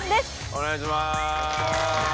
お願いします。